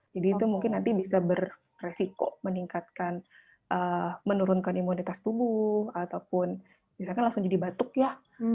jadi itu mungkin nanti bisa beresiko meningkatkan menurunkan imunitas tubuh ataupun bisa kan langsung jadi batuk ya